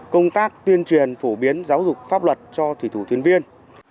công tác tuyên truyền phổ biến giáo dục pháp luật cho thủy thủ thuyền viên